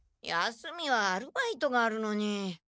休みはアルバイトがあるのに。